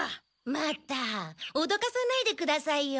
またおどかさないでくださいよ。